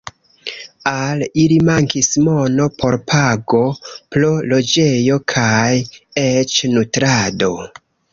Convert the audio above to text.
Al ili mankis mono por pago pro loĝejo kaj eĉ nutrado.